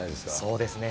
そうですね。